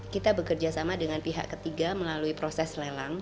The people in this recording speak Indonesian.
kita bekerja sama dengan pihak ketiga melalui proses lelang